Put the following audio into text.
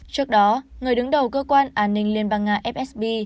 trước đó người đứng đầu cơ quan an ninh liên bang nga fsb